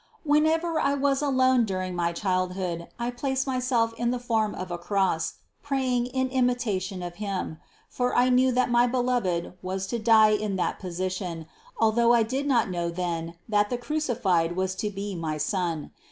Whenever J was alone during my childhood 286 CITY OF GOD I placed myself in the form of a cross, praying in imita tion of Him; for I knew that my Beloved was to die in that position, although I did not know then that the Cru cified was to be my Son.